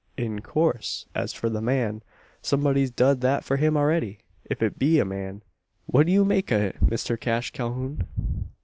"In coorse. As for the man, someb'y's dud thet for him arready if it be a man. What do you make o' it, Mister Cash Calhoun?"